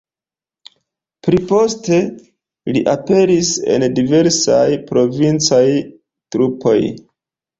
Pli poste li aperis en diversaj provincaj trupoj.